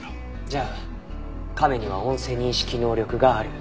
じゃあ亀には音声認識能力がある。